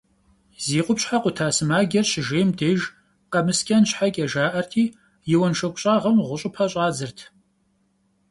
Зи къупщхьэ къута сымаджэр щыжейм деж, къэмыскӏэн щхьэкӏэ жаӏэрти, и уэншоку щӏагъым гъущӏыпэ щӏадзырт.